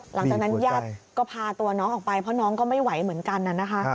หลังจากนั้นญาติก็พาตัวน้องออกไปเพราะน้องก็ไม่ไหวเหมือนกันนะคะ